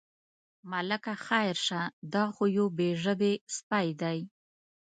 ملکه خیر شه، دا خو یو بې ژبې سپی دی.